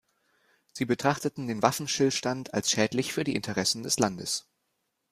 Sie betrachteten den Waffenstillstand als schädlich für die Interessen des Landes.